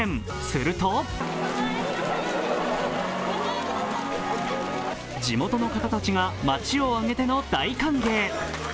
すると地元の方たちが街をあげての大歓迎。